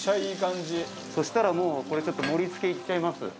そしたらもうこれちょっと盛り付けいっちゃいます。